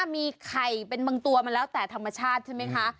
มีไข่เป็นบางตัวมันแล้วแต่ธรรมชาติใช่ไหมคะ